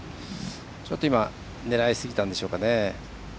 ちょっと今狙いすぎたんでしょうかね。